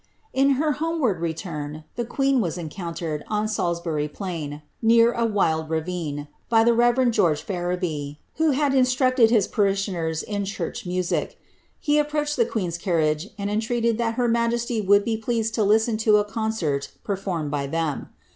In her homeward retnm, the queen was encountered, on Salisbury Plain, near a wild ravine, by the Rev. George Fereby, who had instructed his parishioners in church music ; he approached the queen's carriages, and entreated that her majesty would be pleased to listen to a concert performed by them.